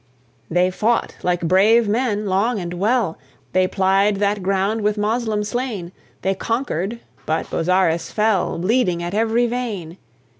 They fought like brave men, long and well; They piled that ground with Moslem slain, They conquered but Bozzaris fell, Bleeding at every vein.